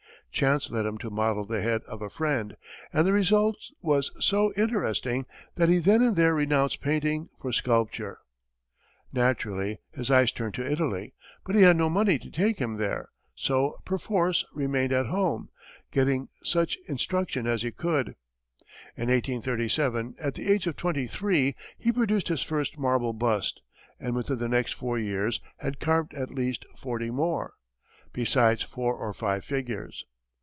Chance led him to model the head of a friend, and the result was so interesting that he then and there renounced painting for sculpture. Naturally, his eyes turned to Italy, but he had no money to take him there, so perforce remained at home, getting such instruction as he could. In 1837, at the age of twenty three, he produced his first marble bust, and within the next four years, had carved at least forty more, besides four or five figures.